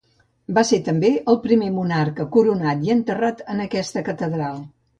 Va ser també el primer monarca coronat i enterrat en aquesta catedral.